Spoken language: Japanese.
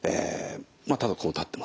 まあ例えばこう立ってます。